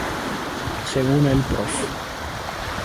Según el Prof.